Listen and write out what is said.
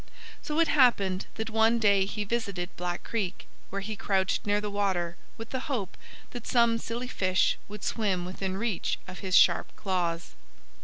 So it happened that one day he visited Black Creek, where he crouched near the water with the hope that some silly fish would swim within reach of his sharp claws.